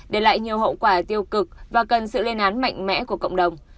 để lại nhiều hậu quả tiêu cực và cần sự lên án mạnh mẽ của cộng đồng